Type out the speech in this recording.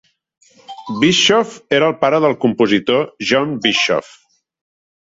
Bischoff era el pare del compositor John Bischoff.